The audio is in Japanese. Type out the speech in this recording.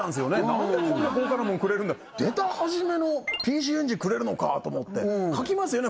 何でこんな豪華なものくれるんだろう出たはじめのＰＣエンジンくれるのかと思って書きますよね